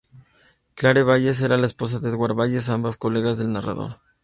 Clare Bayes era la esposa de Edward Bayes, ambos colegas del narrador.